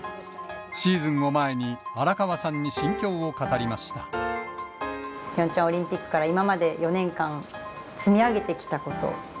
シーズンを前に、ピョンチャンオリンピックから今まで４年間、積み上げてきたこと。